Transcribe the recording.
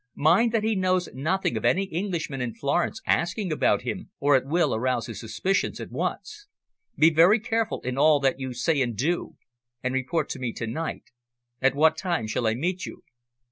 Mind that he knows nothing of any Englishman in Florence asking about him, or it will arouse his suspicions at once. Be very careful in all that you say and do, and report to me tonight. At what time shall I meet you?"